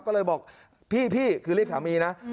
ก็เลยบอกพี่คือเรียกสามีนะ